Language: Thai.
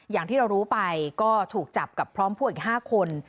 อย่างที่เรารู้ไปก็ถูกจับกับพร้อมพวกอีก๕คน